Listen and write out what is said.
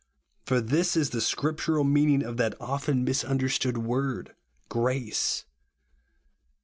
For this is the scriptural meaning of that often misunderstood word "grace."